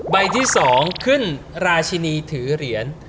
ใบที่๒ขึ้นราชินีถือเหรียญ